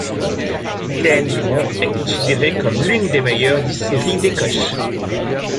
Glen Grant est considérée comme l’une des meilleures distilleries d’Écosse.